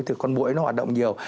thì con mũi nó hoạt động nhiều